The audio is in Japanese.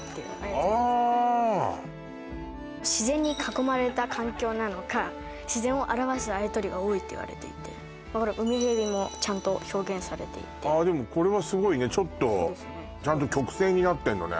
ああ自然に囲まれた環境なのかっていわれていてウミヘビもちゃんと表現されていてああでもこれはすごいねちょっとちゃんと曲線になってんのね